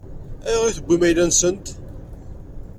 Ayɣer i tewwim ayla-nsent?